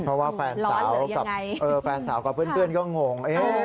เพราะว่าแฟนสาวกับเพื่อนก็งง